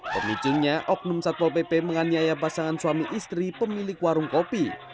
pemicunya oknum satpol pp menganiaya pasangan suami istri pemilik warung kopi